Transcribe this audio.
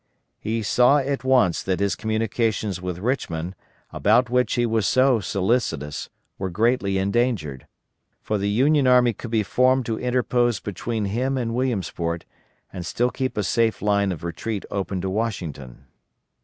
He saw at once that his communications with Richmond, about which he was so solicitous, were greatly endangered, for the Union army could be formed to interpose between him and Williamsport, and still keep a safe line of retreat open to Washington.